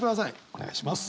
お願いします。